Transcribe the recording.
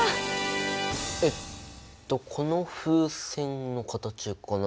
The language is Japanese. えっとこの風船の形が何？